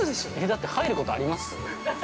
◆だって入ることあります？